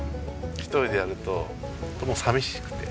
１人でやるととても寂しくて。